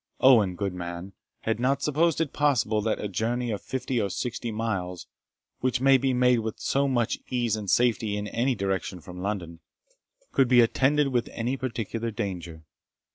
Owen, good man, had not supposed it possible that a journey of fifty or sixty miles, which may be made with so much ease and safety in any direction from London, could be attended with any particular danger.